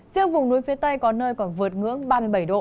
riêng vùng núi phía tây có nơi còn vượt ngưỡng ba mươi bảy độ